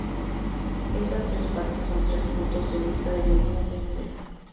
Esas tres partes son tres puntos de vista del mismo fenómeno.